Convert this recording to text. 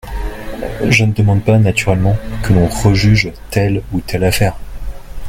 Je ne demande pas, naturellement, que l’on rejuge telle ou telle affaire.